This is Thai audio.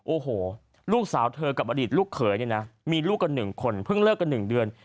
โอ้โหลูกสาวเธอกับอดีตลูกเขยเนี่ยนะมีลูกกัน๑คนเพิ่งเลิกกัน๑เดือน